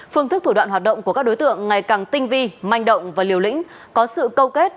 phương thức thủ đoạn hoạt động của các đối tượng ngày càng tinh vi manh động và liều lĩnh có sự câu kết